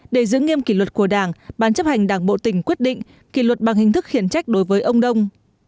để giữ nghiêm kỷ luật của đảng bán chấp hành đảng bộ tỉnh quyết định kỷ luật bằng hình thức khiển trách đối với ông đông